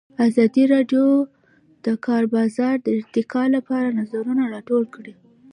ازادي راډیو د د کار بازار د ارتقا لپاره نظرونه راټول کړي.